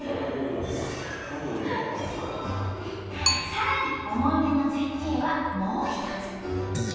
さらに思い出の絶景はもう一つ。